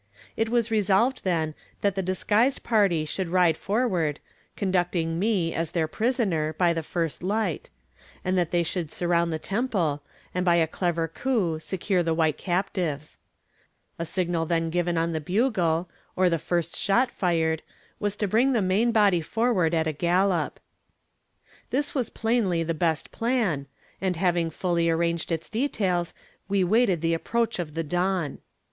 It was resolved, then, that the disguised party should ride forward, conducting me, as their prisoner, by the first light; and that they should surround the temple, and by a clever coup secure the white captives. A signal then given on the bugle, or the first shot fired, was to bring the main body forward at a gallop. This was plainly the best plan, and having fully arranged its details, we waited the approach of the dawn.